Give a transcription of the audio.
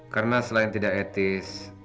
karena selain tidak etis